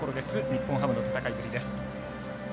日本ハムの戦いぶりです。